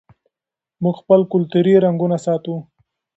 موږ خپل کلتوري رنګونه ساتو.